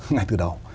ngay từ đầu